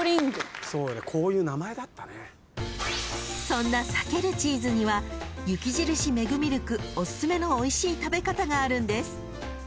［そんなさけるチーズには雪印メグミルクおすすめのおいしい食べ方があるんです］